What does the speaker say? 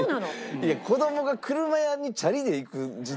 いや子供が車屋にチャリで行く時代。